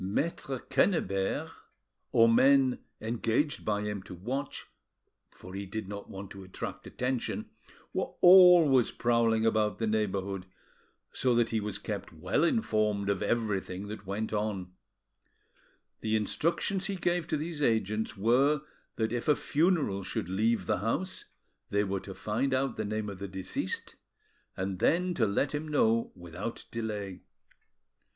Maitre Quennebert, or men engaged by him to watch, for he did not want to attract attention, were always prowling about the neighbourhood, so that he was kept well informed of everything that went on: The instructions he gave to these agents were, that if a funeral should leave the house, they were to find out the name of the deceased, and then to let him know without delay.